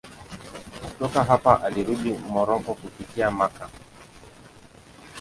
Kutoka hapa alirudi Moroko kupitia Makka.